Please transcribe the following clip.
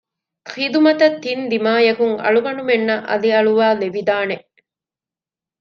ޚިދުމަތަށް ތިން ދިމާޔަކުން އަޅުގަނޑުމެންނަށް އަލިއަޅުވައިލެވިދާނެ